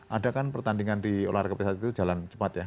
ada kan pertandingan di olahraga pesawat itu jalan cepat ya